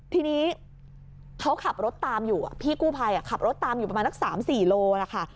ทีนี้เขาขับรถตามอยู่พี่กู้ภัยขับรถตามอยู่ประมาณสัก๓๔โลนะคะ